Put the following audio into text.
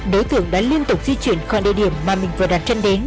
đối tượng đã liên tục di chuyển khỏi địa điểm mà mình vừa đặt chân đến